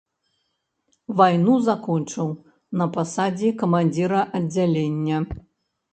Вайну закончыў на пасадзе камандзіра аддзялення.